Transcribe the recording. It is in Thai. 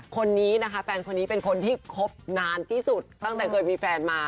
คนนี้นะคะแฟนคนนี้เป็นคนที่คบนานที่สุดตั้งแต่เคยมีแฟนมา